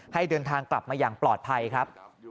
ให้เดินทางกลับมาอย่างปลอดภัยครับ